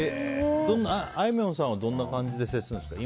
あいみょんさんはどんな感じで接するんですか？